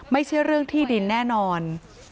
ไม่ใช่เรื่องที่ดินแน่นอน